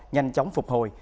nhanh chóng phục hồi